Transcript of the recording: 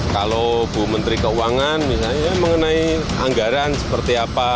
kalau bu menteri keuangan misalnya ya mengenai anggaran seperti apa